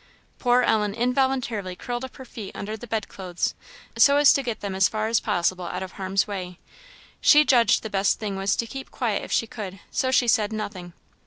Poor Ellen involuntarily curled up her feet under the bed clothes, so as to get them as far as possible out of harm's way. She judged the best thing was to keep quiet if she could, so she said nothing.